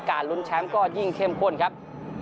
ลุ้นแชมป์ก็ยิ่งเข้มข้นครับ